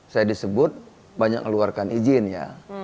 saya disebut banyak ngeluarkan izin ya